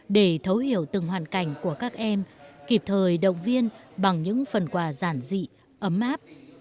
để thấu hiểu từng hoàn cảnh của các em kịp thời động viên bằng những phần quà giản dị ấm áp